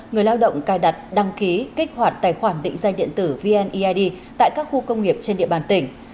người lao động cài đặt đăng ký kích hoạt tài khoản định danh điện tử vneid tại các khu công nghiệp trên địa bàn tỉnh